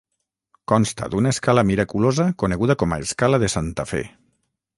Consta d'una escala miraculosa coneguda com a escala de Santa Fe.